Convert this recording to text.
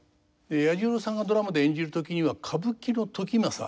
彌十郎さんがドラマで演じる時には歌舞伎の時政